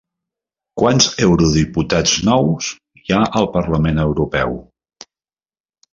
Quants eurodiputats nous hi ha al Parlament Europeu?